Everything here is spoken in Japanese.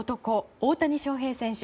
大谷翔平選手。